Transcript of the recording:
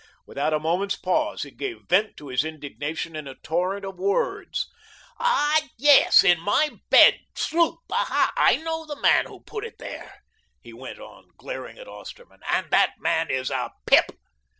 Without a moment's pause he gave vent to his indignation in a torrent of words. "Ah, yes, in my bed, sloop, aha! I know the man who put it there," he went on, glaring at Osterman, "and that man is a PIP.